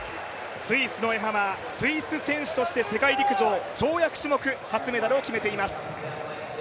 スイスのエハマー、スイス選手として世界陸上、跳躍種目、初メダルを決めています